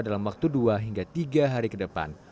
dalam waktu dua hingga tiga hari ke depan